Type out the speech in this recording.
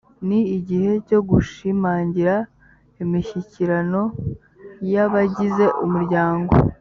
ni igihe cyo gushimangira imishyikirano y abagize umuryango